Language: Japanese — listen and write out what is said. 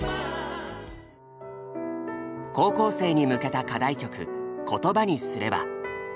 高校生に向けた課題曲「言葉にすれば」。